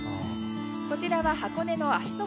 こちらは箱根の芦ノ